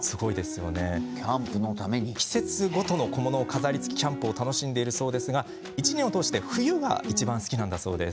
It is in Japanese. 季節ごとの小物を飾りつけキャンプを楽しんでいるそうですが１年を通して冬がいちばん好きなんだそうです。